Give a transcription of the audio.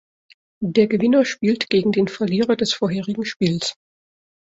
Der Gewinner spielt gegen den Verlierer des vorherigen Spiels.